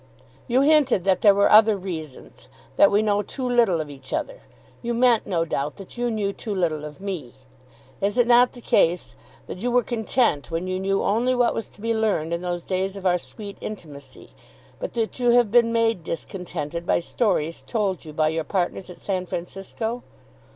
You hinted that there were other reasons, that we know too little of each other. You meant no doubt that you knew too little of me. Is it not the case that you were content when you knew only what was to be learned in those days of our sweet intimacy, but that you have been made discontented by stories told you by your partners at San Francisco?